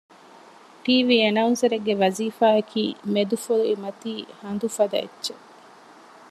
ޓީވީ އެނައުންސަރެއްގެ ވަޒީފާއަކީ މެދުފޮއިމަތީ ހަނދު ފަދަ އެއްޗެއް